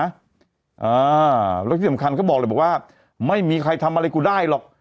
อ่าแล้วที่สำคัญก็บอกเลยบอกว่าไม่มีใครทำอะไรกูได้หรอก